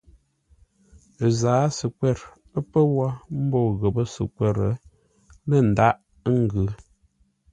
Ə́ zǎa səkwə̂r pə̂ wó mbó ghəpə́ səkwə̂r lə̂ ndághʼ ngʉ̌.